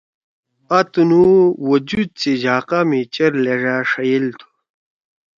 آ تُنو وجود سی جھاقآ می چیر لھیڙأ شئیل تُھو